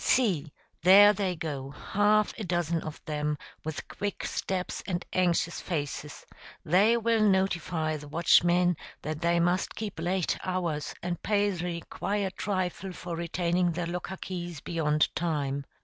See, there they go, half a dozen of them, with quick steps and anxious faces; they will notify the watchmen that they must keep late hours, and pay the required trifle for retaining their locker keys beyond time.